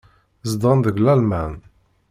Zedɣen deg Lalman.